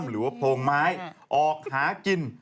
หรือว่าโพรงไม้ออกหากิน